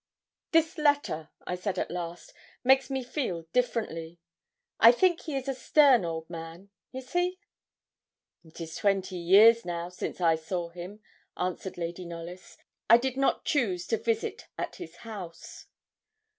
'This letter,' I said at last, 'makes me feel differently. I think he is a stern old man is he?' 'It is twenty years, now, since I saw him,' answered Lady Knollys. 'I did not choose to visit at his house.'